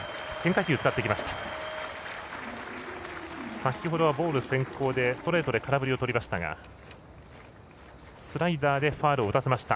先ほどはボール先行でストレートで空振りを取りましたがスライダーでファウルを打たせました。